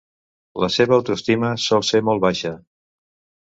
La seva autoestima sol ser molt baixa.